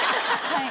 はい。